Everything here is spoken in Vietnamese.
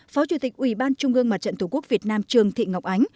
phó chủ tịch ủy ban trung ương mặt trận thủ quốc việt nam trường thị ngọc ánh